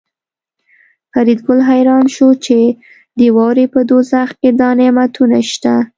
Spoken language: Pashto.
فریدګل حیران شو چې د واورې په دوزخ کې دا نعمتونه شته